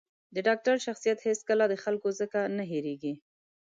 د ډاکتر شخصیت هېڅکله د خلکو ځکه نه هېرېـږي.